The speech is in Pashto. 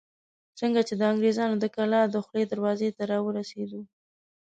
څنګه چې د انګرېزانو د کلا دخولي دروازې ته راورسېدو.